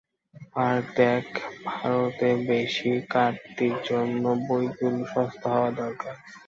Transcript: আরও দেখ, ভারতে বেশী কাটতির জন্য বইগুলি সস্তা হওয়া দরকার।